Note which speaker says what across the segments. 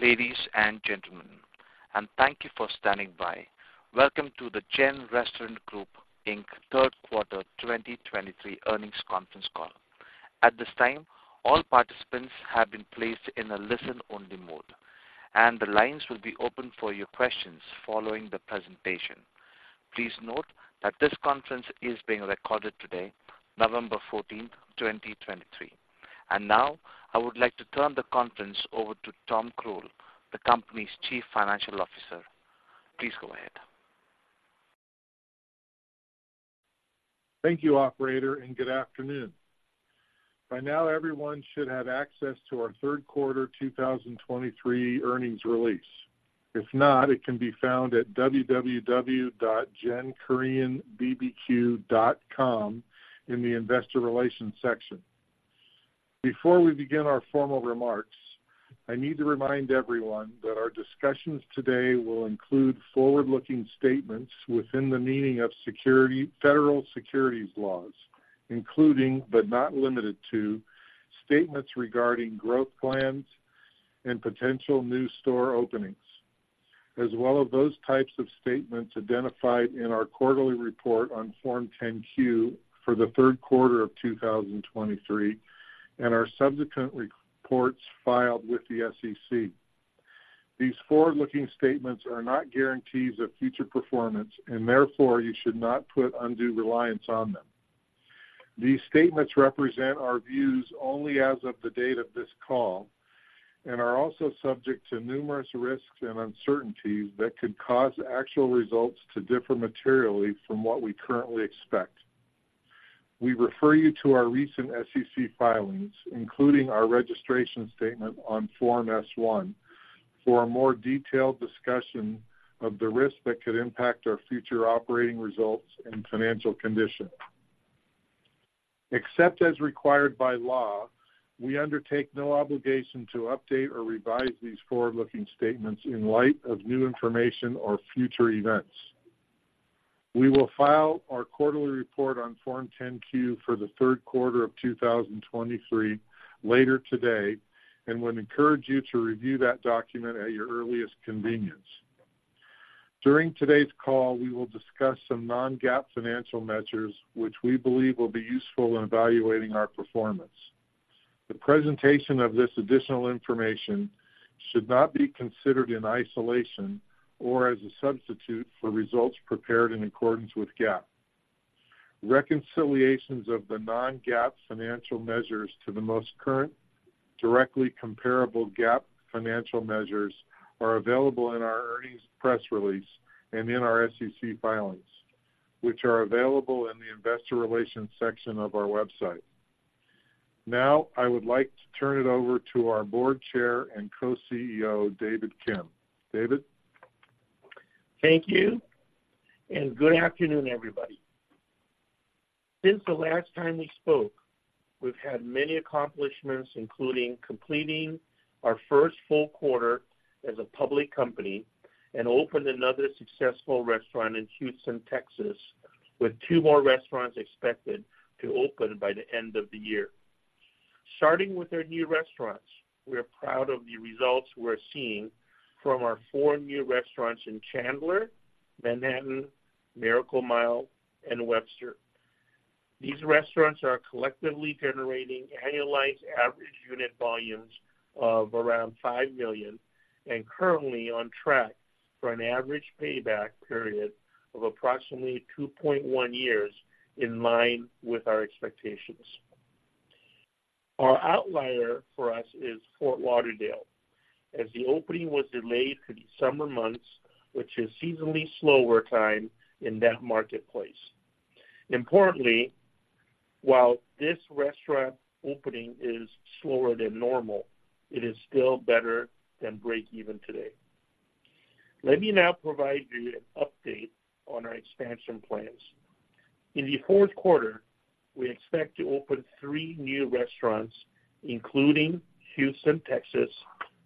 Speaker 1: Good day, ladies and gentlemen, and thank you for standing by. Welcome to the GEN Restaurant Group, Inc. Q3 2023 Earnings Conference Call. At this time, all participants have been placed in a listen-only mode, and the lines will be open for your questions following the presentation. Please note that this conference is being recorded today, November 14th 2023. Now, I would like to turn the conference over to Thomas Croal, the company's Chief Financial Officer. Please go ahead.
Speaker 2: Thank you, operator, and good afternoon. By now, everyone should have access to our third quarter 2023 earnings release. If not, it can be found at www.genkoreanbbq.com in the Investor Relations section. Before we begin our formal remarks, I need to remind everyone that our discussions today will include forward-looking statements within the meaning of federal securities laws, including, but not limited to, statements regarding growth plans and potential new store openings, as well as those types of statements identified in our quarterly report on Form 10-Q for the third quarter of 2023 and our subsequent reports filed with the SEC. These forward-looking statements are not guarantees of future performance, and therefore you should not put undue reliance on them. These statements represent our views only as of the date of this call and are also subject to numerous risks and uncertainties that could cause actual results to differ materially from what we currently expect. We refer you to our recent SEC filings, including our registration statement on Form S-1, for a more detailed discussion of the risks that could impact our future operating results and financial condition. Except as required by law, we undertake no obligation to update or revise these forward-looking statements in light of new information or future events. We will file our quarterly report on Form 10-Q for the third quarter of 2023 later today and would encourage you to review that document at your earliest convenience. During today's call, we will discuss some non-GAAP financial measures, which we believe will be useful in evaluating our performance. The presentation of this additional information should not be considered in isolation or as a substitute for results prepared in accordance with GAAP. Reconciliations of the non-GAAP financial measures to the most current, directly comparable GAAP financial measures are available in our earnings press release and in our SEC filings, which are available in the Investor Relations section of our website. Now, I would like to turn it over to our Board Chair and Co-CEO, David Kim. David?
Speaker 3: Thank you, and good afternoon, everybody. Since the last time we spoke, we've had many accomplishments, including completing our first full quarter as a public company and opened another successful restaurant in Houston, Texas, with two more restaurants expected to open by the end of the year. Starting with our new restaurants, we are proud of the results we're seeing from our four new restaurants in Chandler, Manhattan, Miracle Mile, and Webster. These restaurants are collectively generating annualized average unit volumes of around $5 million and currently on track for an average payback period of approximately 2.1 years, in line with our expectations. Our outlier for us is Fort Lauderdale, as the opening was delayed to the summer months, which is seasonally slower time in that marketplace. Importantly, while this restaurant opening is slower than normal, it is still better than break even today. Let me now provide you an update on our expansion plans. In the fourth quarter, we expect to open three new restaurants, including Houston, Texas,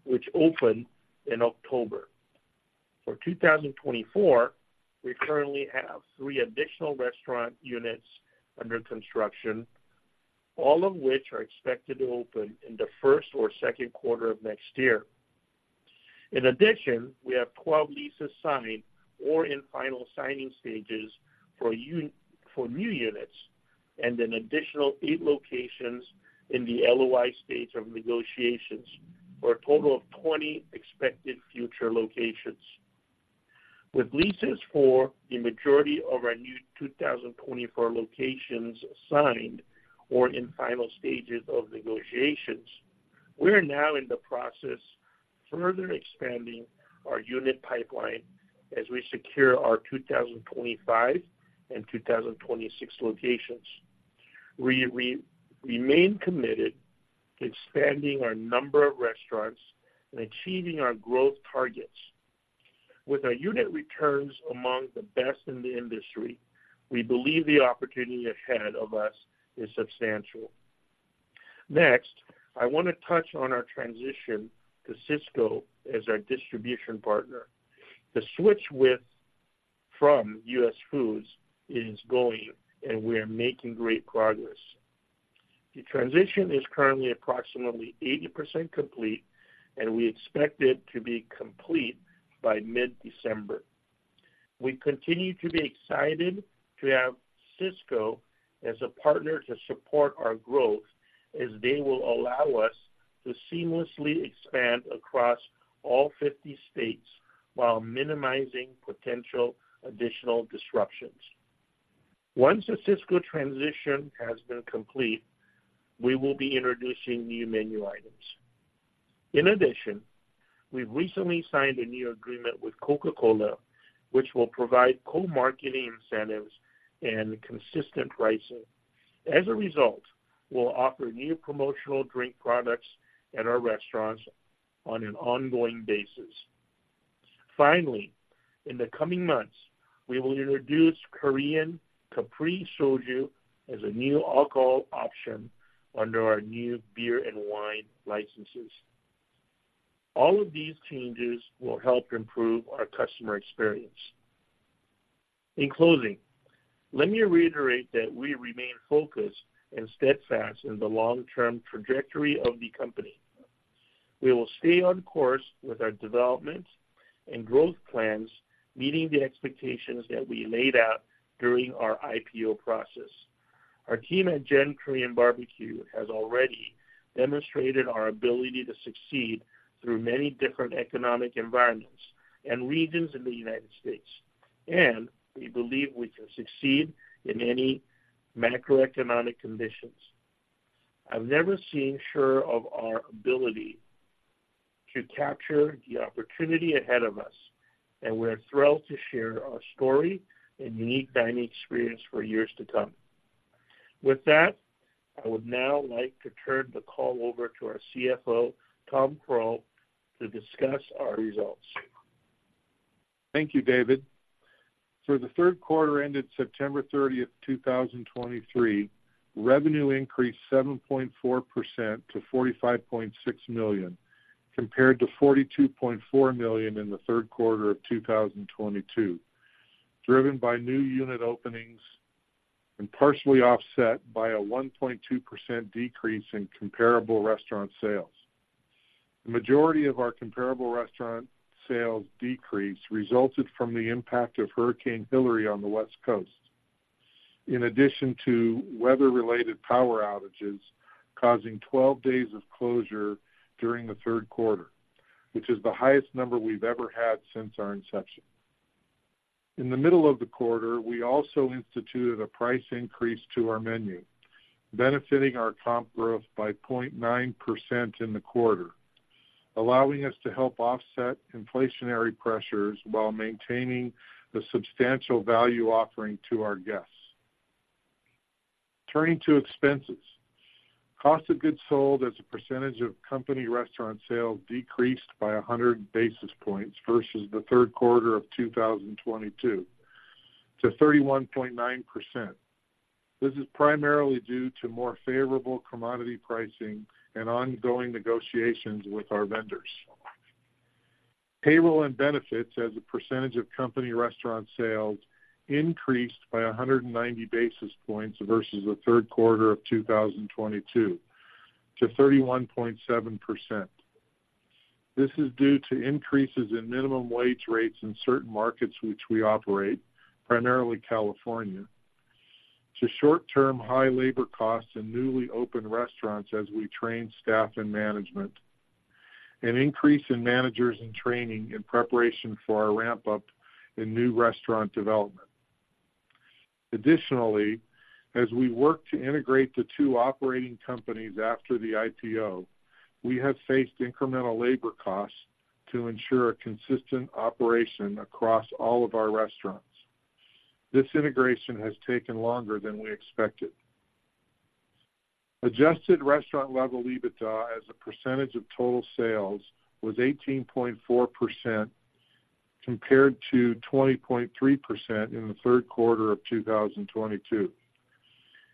Speaker 3: which opened in October. For 2024, we currently have three additional restaurant units under construction, all of which are expected to open in the first or second quarter of next year. In addition, we have 12 leases signed or in final signing stages for new units and an additional eight locations in the LOI stage of negotiations, for a total of 20 expected future locations. With leases for the majority of our new 2024 locations signed or in final stages of negotiations, we are now in the process of further expanding our unit pipeline as we secure our 2025 and 2026 locations. We remain committed to expanding our number of restaurants and achieving our growth targets. With our unit returns among the best in the industry, we believe the opportunity ahead of us is substantial. Next, I want to touch on our transition to Sysco as our distribution partner. The switch from US Foods is going, and we are making great progress. The transition is currently approximately 80% complete, and we expect it to be complete by mid-December. We continue to be excited to have Sysco as a partner to support our growth, as they will allow us to seamlessly expand across all 50 states while minimizing potential additional disruptions. Once the Sysco transition has been complete, we will be introducing new menu items. In addition, we've recently signed a new agreement with Coca-Cola, which will provide co-marketing incentives and consistent pricing. As a result, we'll offer new promotional drink products at our restaurants on an ongoing basis. Finally, in the coming months, we will introduce Korean Capri Soju as a new alcohol option under our new beer and wine licenses. All of these changes will help improve our customer experience. In closing, let me reiterate that we remain focused and steadfast in the long-term trajectory of the company. We will stay on course with our development and growth plans, meeting the expectations that we laid out during our IPO process. Our team at GEN Korean Barbecue has already demonstrated our ability to succeed through many different economic environments and regions in the United States, and we believe we can succeed in any macroeconomic conditions. I've never been more sure of our ability to capture the opportunity ahead of us, and we're thrilled to share our story and unique dining experience for years to come. With that, I would now like to turn the call over to our CFO, Thomas V. Croal, to discuss our results.
Speaker 2: Thank you, David. For the third quarter ended September 30th, 2023, revenue increased 7.4% to $45.6 million, compared to $42.4 million in the third quarter of 2022, driven by new unit openings and partially offset by a 1.2% decrease in comparable restaurant sales. The majority of our comparable restaurant sales decrease resulted from the impact of Hurricane Hilary on the West Coast, in addition to weather-related power outages, causing 12 days of closure during the third quarter, which is the highest number we've ever had since our inception. In the middle of the quarter, we also instituted a price increase to our menu, benefiting our comp growth by 0.9% in the quarter, allowing us to help offset inflationary pressures while maintaining the substantial value offering to our guests. Turning to expenses. Cost of goods sold as a percentage of company restaurant sales decreased by 100 basis points versus the third quarter of 2022 to 31.9%. This is primarily due to more favorable commodity pricing and ongoing negotiations with our vendors. Payroll and benefits as a percentage of company restaurant sales increased by 190 basis points versus the third quarter of 2022 to 31.7%. This is due to increases in minimum wage rates in certain markets which we operate, primarily California, to short-term high labor costs in newly opened restaurants as we train staff and management, an increase in managers in training in preparation for our ramp-up in new restaurant development. Additionally, as we work to integrate the two operating companies after the IPO, we have faced incremental labor costs to ensure a consistent operation across all of our restaurants. This integration has taken longer than we expected. Adjusted restaurant-level EBITDA as a percentage of total sales was 18.4%, compared to 20.3% in the third quarter of 2022.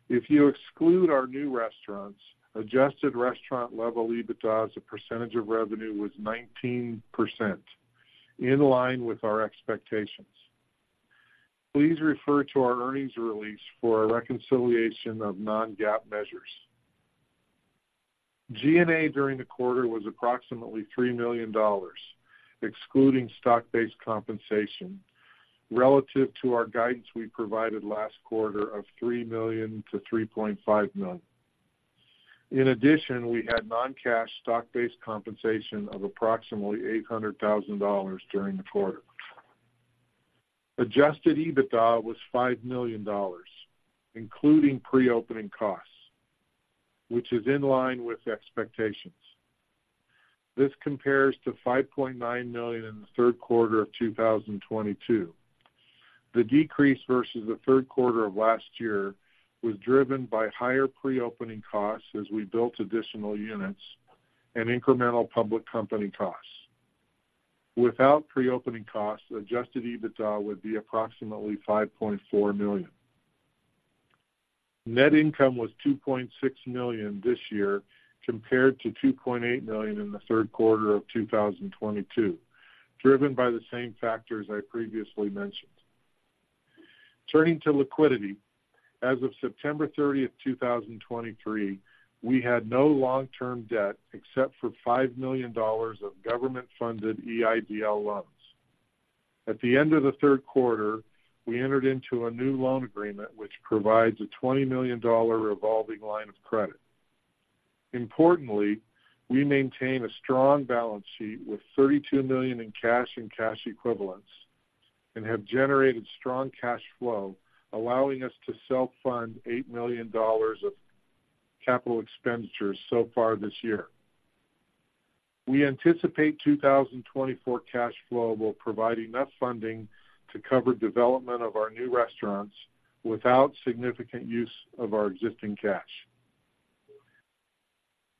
Speaker 2: If you exclude our new restaurants, adjusted restaurant-level EBITDA as a percentage of revenue was 19%, in line with our expectations. Please refer to our earnings release for a reconciliation of non-GAAP measures. G&A during the quarter was approximately $3 million, excluding stock-based compensation, relative to our guidance we provided last quarter of $3 million-$3.5 million. In addition, we had non-cash stock-based compensation of approximately $800,000 during the quarter. Adjusted EBITDA was $5 million, including pre-opening costs, which is in line with expectations. This compares to $5.9 million in the third quarter of 2022. The decrease versus the third quarter of last year was driven by higher pre-opening costs as we built additional units and incremental public company costs. Without pre-opening costs, adjusted EBITDA would be approximately $5.4 million. Net income was $2.6 million this year, compared to $2.8 million in the third quarter of 2022, driven by the same factors I previously mentioned. Turning to liquidity, as of September 30, 2023, we had no long-term debt except for $5 million of government-funded EIDL loans. At the end of the third quarter, we entered into a new loan agreement, which provides a $20 million revolving line of credit. Importantly, we maintain a strong balance sheet with $32 million in cash and cash equivalents and have generated strong cash flow, allowing us to self-fund $8 million of capital expenditures so far this year. We anticipate 2024 cash flow will provide enough funding to cover development of our new restaurants without significant use of our existing cash.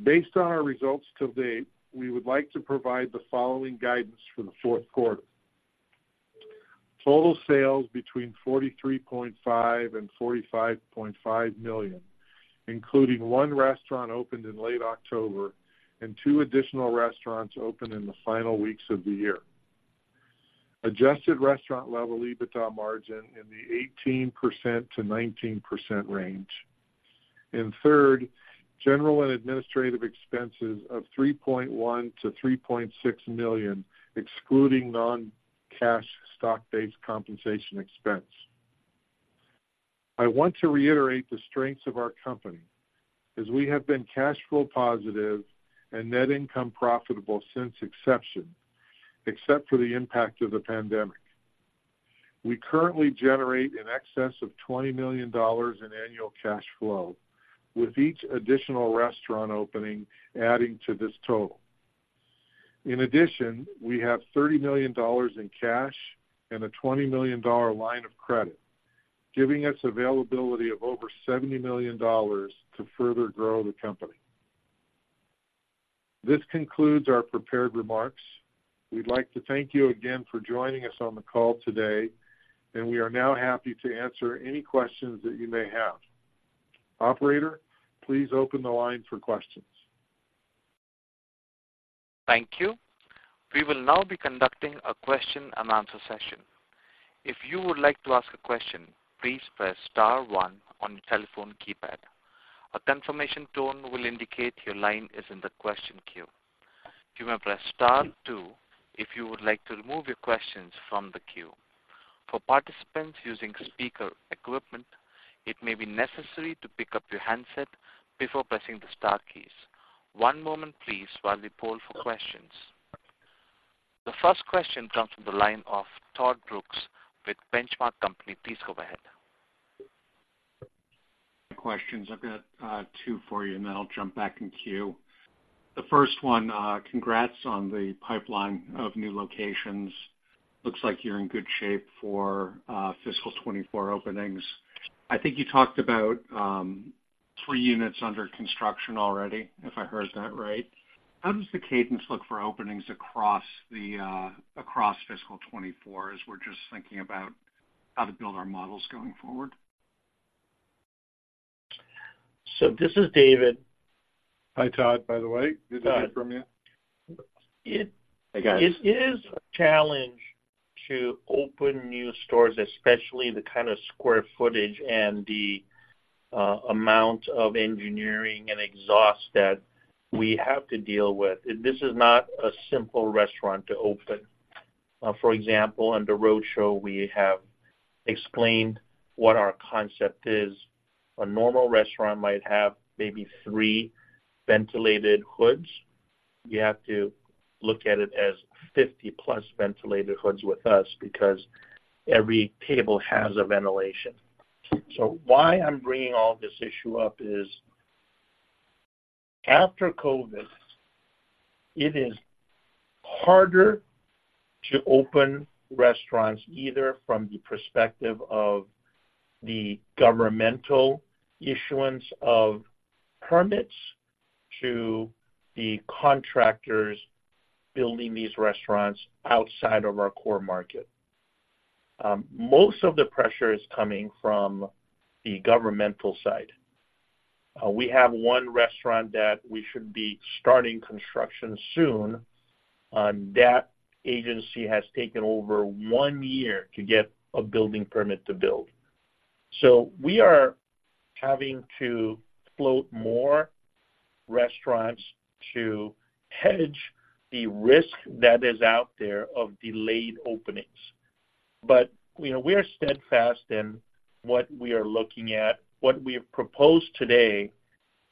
Speaker 2: Based on our results to date, we would like to provide the following guidance for the fourth quarter. Total sales between $43.5 million and $45.5 million, including 1 restaurant opened in late October and 2 additional restaurants opened in the final weeks of the year. Adjusted Restaurant-Level EBITDA margin in the 18% to 19% range. Third, general and administrative expenses of $3.1 million-$3.6 million, excluding non-cash stock-based compensation expense. I want to reiterate the strengths of our company, as we have been cash flow positive and net income profitable since inception, except for the impact of the pandemic. We currently generate in excess of $20 million in annual cash flow, with each additional restaurant opening adding to this total. In addition, we have $30 million in cash and a $20 million line of credit, giving us availability of over $70 million to further grow the company. This concludes our prepared remarks. We'd like to thank you again for joining us on the call today, and we are now happy to answer any questions that you may have. Operator, please open the line for questions.
Speaker 1: Thank you. We will now be conducting a question and answer session. If you would like to ask a question, please press star one on your telephone keypad. A confirmation tone will indicate your line is in the question queue. You may press star two if you would like to remove your questions from the queue. For participants using speaker equipment, it may be necessary to pick up your handset before pressing the star keys. One moment please while we poll for questions. The first question comes from the line of Todd Brooks with The Benchmark Company. Please go ahead.
Speaker 4: Questions. I've got two for you, and then I'll jump back in queue. The first one, congrats on the pipeline of new locations. Looks like you're in good shape for fiscal 2024 openings. I think you talked about 3 units under construction already, if I heard that right. How does the cadence look for openings across fiscal 2024, as we're just thinking about how to build our models going forward?
Speaker 3: This is David.
Speaker 2: Hi, Todd, by the way, good to hear from you.
Speaker 4: Hi, guys.
Speaker 3: It is a challenge to open new stores, especially the kind of square footage and the amount of engineering and exhaust that we have to deal with. This is not a simple restaurant to open. For example, on the roadshow, we have explained what our concept is. A normal restaurant might have maybe 3 ventilated hoods. You have to look at it as 50+ ventilated hoods with us because every table has a ventilation. So why I'm bringing all this issue up is, after COVID, it is harder to open restaurants, either from the perspective of the governmental issuance of permits to the contractors building these restaurants outside of our core market. Most of the pressure is coming from the governmental side. We have one restaurant that we should be starting construction soon, and that agency has taken over one year to get a building permit to build. So we are having to float more restaurants to hedge the risk that is out there of delayed openings. But, you know, we are steadfast in what we are looking at. What we have proposed today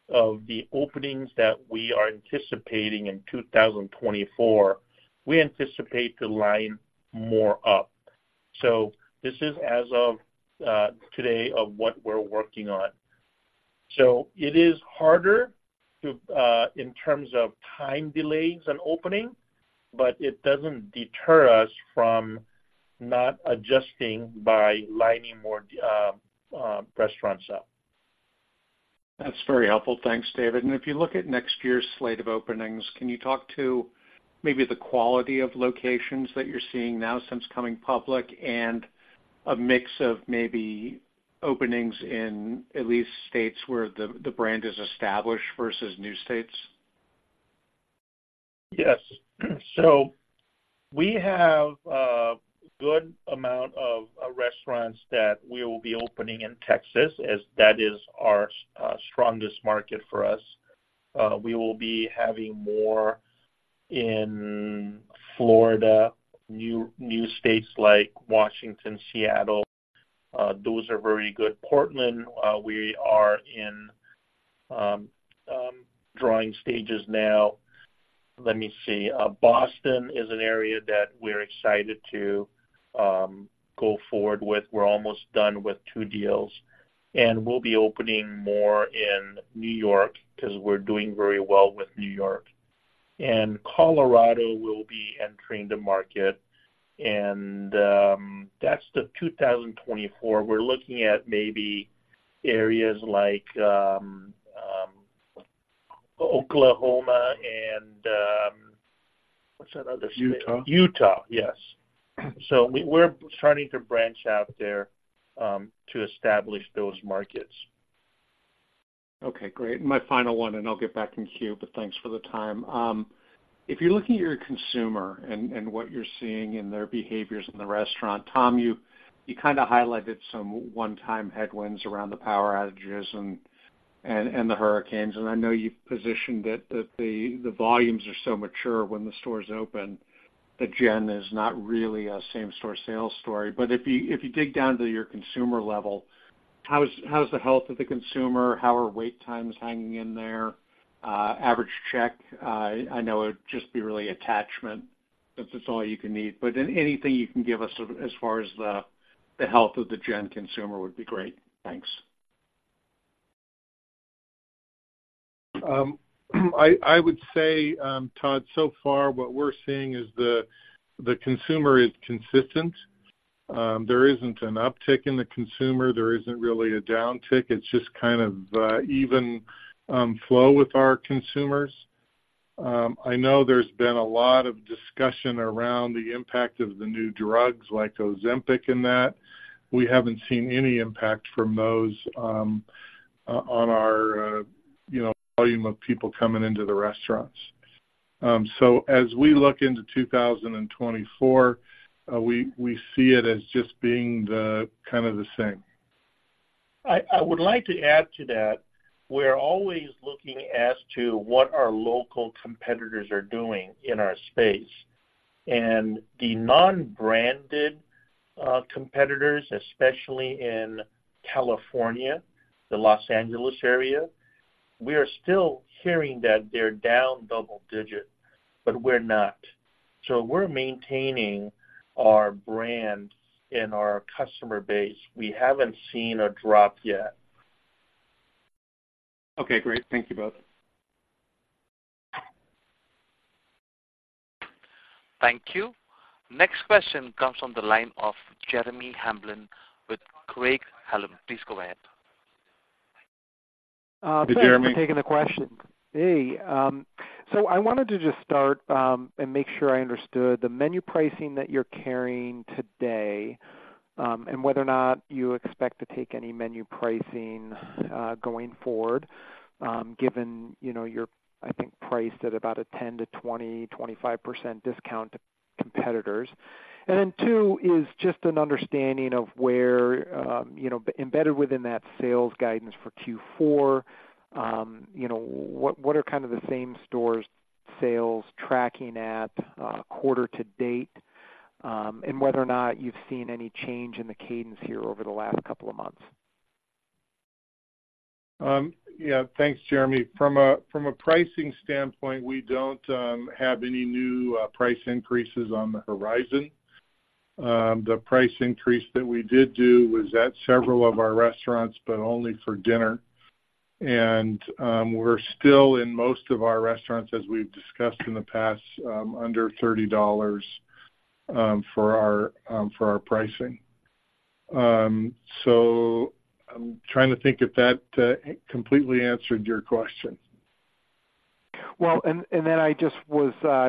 Speaker 3: of the openings that we are anticipating in 2024, we anticipate to line more up. So this is as of, today, of what we're working on. So it is harder to, in terms of time delays and opening, but it doesn't deter us from not adjusting by lining more, restaurants up.
Speaker 4: That's very helpful. Thanks, David. If you look at next year's slate of openings, can you talk to maybe the quality of locations that you're seeing now since coming public, and a mix of maybe openings in at least states where the brand is established versus new states?
Speaker 3: Yes. So we have a good amount of restaurants that we will be opening in Texas, as that is our strongest market for us. We will be having more in Florida, new states like Washington, Seattle, those are very good. Portland, we are in drawing stages now. Let me see. Boston is an area that we're excited to go forward with. We're almost done with two deals, and we'll be opening more in New York, 'cause we're doing very well with New York. And Colorado will be entering the market, and that's 2024. We're looking at maybe areas like Oklahoma and what's that other state?
Speaker 2: Utah.
Speaker 3: Utah, yes. So we're starting to branch out there, to establish those markets.
Speaker 4: Okay, great. My final one, and I'll get back in queue, but thanks for the time. If you're looking at your consumer and what you're seeing in their behaviors in the restaurant, Tom, you kind of highlighted some one-time headwinds around the power outages and the hurricanes, and I know you've positioned it, that the volumes are so mature when the stores open, that GEN is not really a same store sales story. But if you dig down to your consumer level, how is the health of the consumer? How are wait times hanging in there? Average check, I know it'd just be really attachment, if that's all you can need, but anything you can give us as far as the health of the GEN consumer would be great. Thanks.
Speaker 2: I would say, Todd, so far what we're seeing is the consumer is consistent. There isn't an uptick in the consumer. There isn't really a downtick. It's just kind of even flow with our consumers. I know there's been a lot of discussion around the impact of the new drugs, like Ozempic and that. We haven't seen any impact from those on our, you know, volume of people coming into the restaurants. So as we look into 2024, we see it as just being kind of the same.
Speaker 3: I would like to add to that. We're always looking as to what our local competitors are doing in our space, and the non-branded competitors, especially in California, the Los Angeles area, we are still hearing that they're down double digit, but we're not. So we're maintaining our brand and our customer base. We haven't seen a drop yet.
Speaker 4: Okay, great. Thank you both.
Speaker 1: Thank you. Next question comes from the line of Jeremy Hamblin with Craig-Hallum. Please go ahead.
Speaker 2: Hey, Jeremy.
Speaker 5: Thanks for taking the question. Hey, so I wanted to just start and make sure I understood the menu pricing that you're carrying today, and whether or not you expect to take any menu pricing going forward, given, you know, you're, I think, priced at about a 10 to 20, 25% discount to competitors. Then, two, is just an understanding of where, you know, embedded within that sales guidance for Q4, you know, what, what are kind of the same stores sales tracking at quarter to date, and whether or not you've seen any change in the cadence here over the last couple of months?
Speaker 2: Yeah, thanks, Jeremy. From a pricing standpoint, we don't have any new price increases on the horizon. The price increase that we did do was at several of our restaurants, but only for dinner. And, we're still in most of our restaurants, as we've discussed in the past, under $30 for our pricing. So I'm trying to think if that completely answered your question.
Speaker 5: Well, then I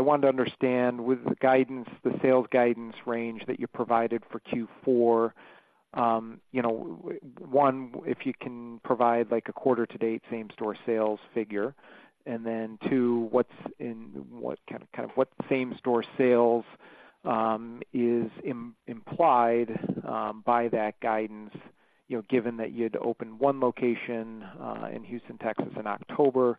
Speaker 5: wanted to understand with the guidance, the sales guidance range that you provided for Q4, you know, one, if you can provide, like, a quarter-to-date same store sales figure. Then, two, what kind of same store sales is implied by that guidance, you know, given that you had to open one location in Houston, Texas in October,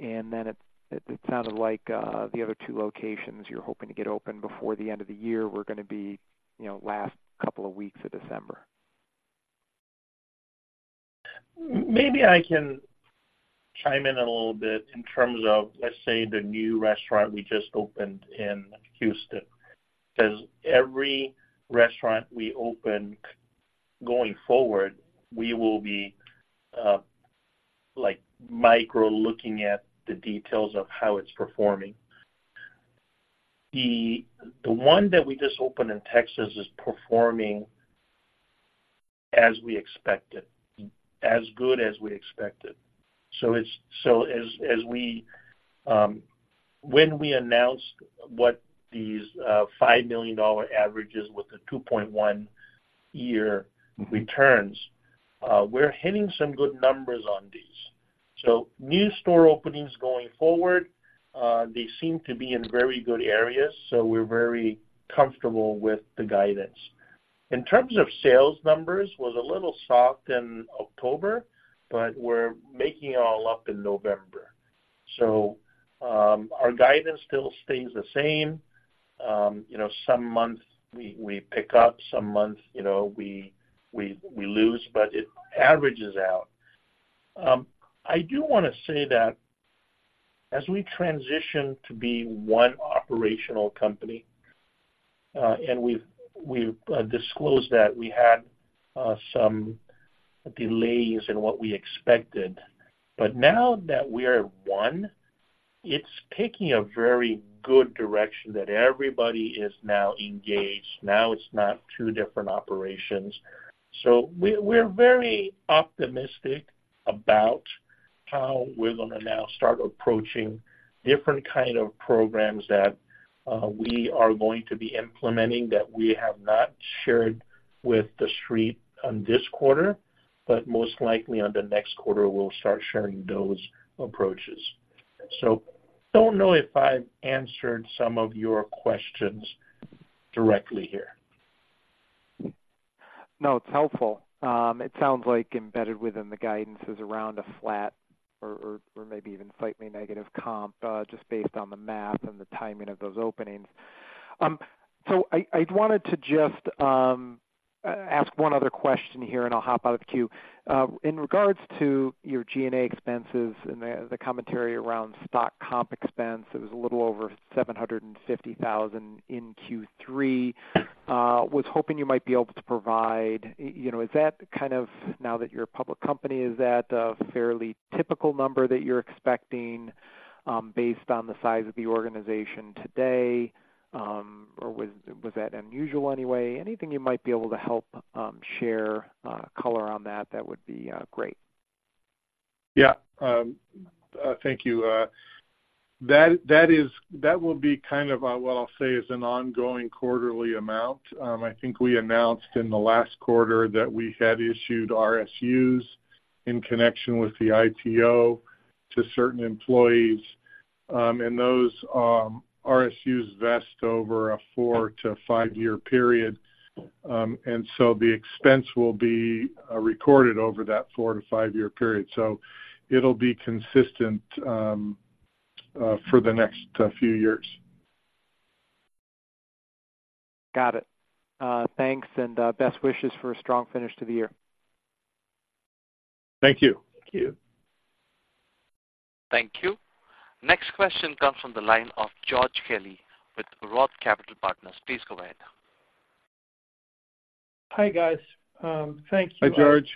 Speaker 5: and then it sounded like the other two locations you're hoping to get open before the end of the year were gonna be, you know, last couple of weeks of December.
Speaker 3: Maybe I can chime in a little bit in terms of, let's say, the new restaurant we just opened in Houston. Because every restaurant we open going forward, we will be, like, micro looking at the details of how it's performing. The one that we just opened in Texas is performing as we expected, as good as we expected. So as we, when we announced what these $5 million averages with the 2.1-year returns, we're hitting some good numbers on these. So new store openings going forward, they seem to be in very good areas, so we're very comfortable with the guidance. In terms of sales numbers, was a little soft in October, but we're making it all up in November. So, our guidance still stays the same. You know, some months we pick up, some months we lose, but it averages out. I do wanna say that as we transition to be one operational company, and we've disclosed that we had some delays in what we expected. But now that we are one, it's taking a very good direction that everybody is now engaged. Now it's not two different operations. So we're very optimistic about how we're gonna now start approaching different kind of programs that we are going to be implementing that we have not shared with the street on this quarter, but most likely on the next quarter, we'll start sharing those approaches. So don't know if I've answered some of your questions directly here.
Speaker 5: No, it's helpful. It sounds like embedded within the guidance is around a flat or maybe even slightly negative comp, just based on the math and the timing of those openings. So I, I'd wanted to just ask one other question here, and I'll hop out of the queue. In regards to your G&A expenses and the commentary around stock comp expense, it was a little over $750,000 in Q3. Was hoping you might be able to provide, you know, is that kind of... now that you're a public company, is that a fairly typical number that you're expecting based on the size of the organization today or was that unusual anyway? Anything you might be able to help share color on that that would be great.
Speaker 2: Yeah. Thank you. That will be kind of what I'll say is an ongoing quarterly amount. I think we announced in the last quarter that we had issued RSUs in connection with the IPO to certain employees, and those RSUs vest over a 4-5-year period. And so the expense will be recorded over that 4-5-year period, so it'll be consistent for the next few years.
Speaker 5: Got it. Thanks, and best wishes for a strong finish to the year.
Speaker 2: Thank you.
Speaker 3: Thank you.
Speaker 1: Thank you. Next question comes from the line of George Kelly with Roth Capital Partners. Please go ahead.
Speaker 6: Hi, guys. Thank you.
Speaker 2: Hi, George.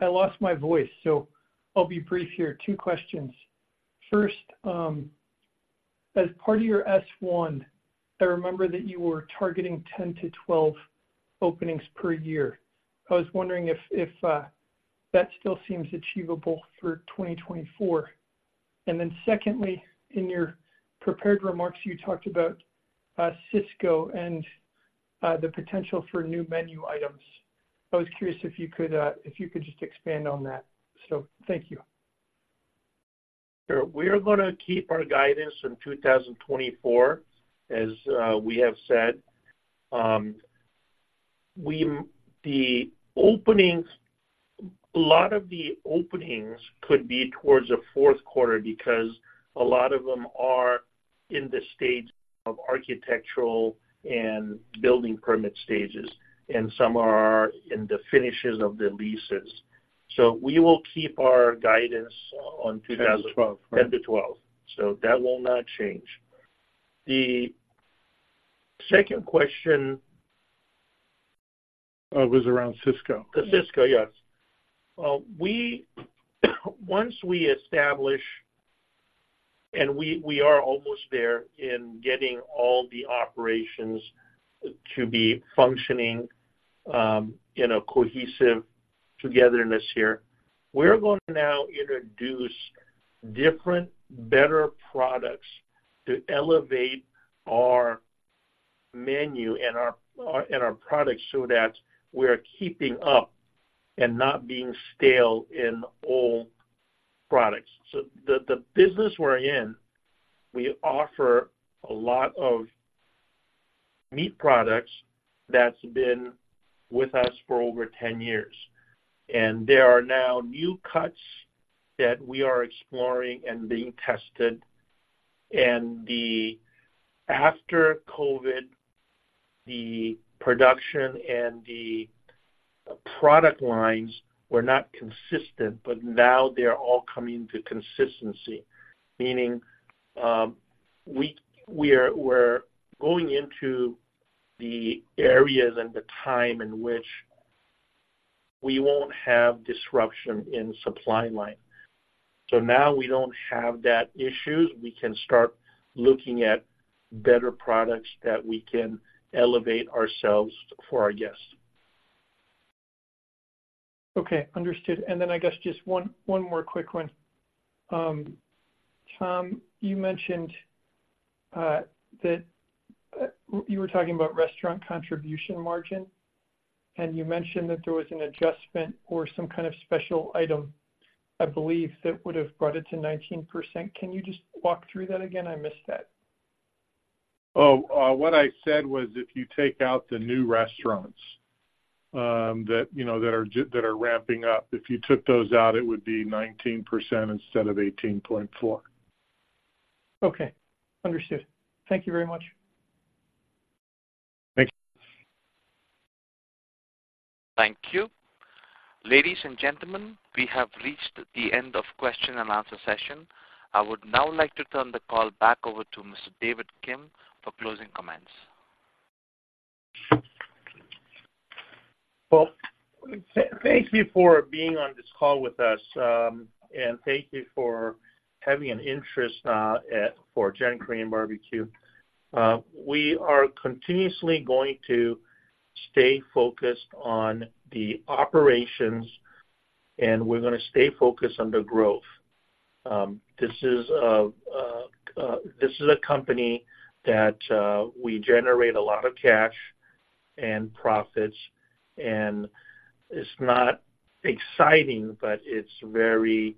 Speaker 6: I lost my voice, so I'll be brief here. Two questions. First, as part of your S-1, I remember that you were targeting 10-12 openings per year. I was wondering if that still seems achievable for 2024? And then secondly, in your prepared remarks, you talked about Sysco and the potential for new menu items. I was curious if you could just expand on that. So thank you.
Speaker 3: Sure. We are gonna keep our guidance in 2024, as we have said. The openings, a lot of the openings could be towards the fourth quarter because a lot of them are in the stage of architectural and building permit stages, and some are in the finishes of the leases. So we will keep our guidance on 10 to 20. So that will not change. The second question.
Speaker 2: Was around Sysco.
Speaker 3: Sysco, yes. Once we establish, and we are almost there, in getting all the operations to be functioning in a cohesive togetherness here, we're going to now introduce different, better products to elevate our menu and our, our, and our products so that we are keeping up and not being stale in old products. So the business we're in, we offer a lot of meat products that's been with us for over 10 years, and there are now new cuts that we are exploring and being tested. After COVID, the production and the product lines were not consistent, but now they're all coming to consistency. Meaning, we, we're going into the areas and the time in which we won't have disruption in supply line. So now we don't have that issue. We can start looking at better products that we can elevate ourselves for our guests.
Speaker 6: Okay, understood. And then I guess just one more quick one. Tom, you mentioned that you were talking about restaurant contribution margin, and you mentioned that there was an adjustment or some kind of special item, I believe, that would have brought it to 19%. Can you just walk through that again? I missed that.
Speaker 2: Oh, what I said was, if you take out the new restaurants, that, you know, that are ramping up, if you took those out, it would be 19% instead of 18.4%.
Speaker 6: Okay, understood. Thank you very much.
Speaker 2: Thank you.
Speaker 1: Thank you. Ladies and gentlemen, we have reached the end of question and answer session. I would now like to turn the call back over to Mr. David Kim for closing comments.
Speaker 3: Well, thank you for being on this call with us, and thank you for having an interest for GEN Korean Barbecue. We are continuously going to stay focused on the operations, and we're gonna stay focused on the growth. This is a company that we generate a lot of cash and profits, and it's not exciting, but it's very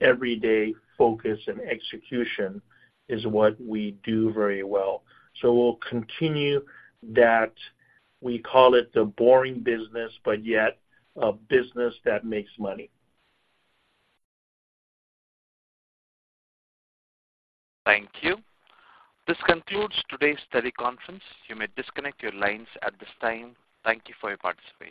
Speaker 3: everyday focus and execution is what we do very well. So we'll continue that. We call it the boring business, but yet a business that makes money.
Speaker 1: Thank you. This concludes today's teleconference. You may disconnect your lines at this time. Thank you for your participation.